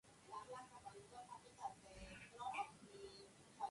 Esta canción no tiene nada que ver con el sencillo excepto por el título.